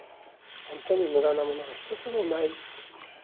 ほんとに無駄なものが１つもない。